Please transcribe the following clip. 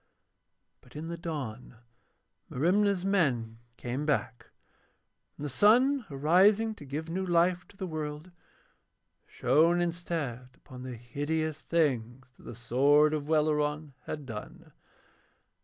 But in the dawn Merimna's men came back, and the sun arising to give new life to the world, shone instead upon the hideous things that the sword of Welleran had done.